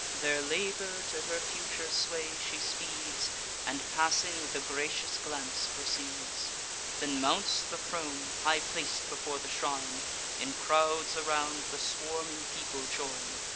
Their labour to her future sway she speeds, And passing with a gracious glance proceeds; Then mounts the throne, high plac'd before the shrine: In crowds around, the swarming people join.